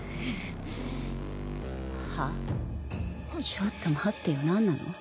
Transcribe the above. ちょっと待ってよ何なの？